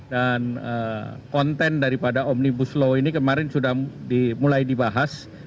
dan konten daripada omnibus law ini kemarin sudah mulai dibahas